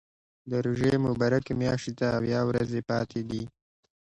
د روژې مبارکې میاشتې ته اویا ورځې پاتې دي.